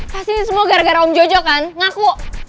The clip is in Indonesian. pasti semua gara gara om jojo kan ngaku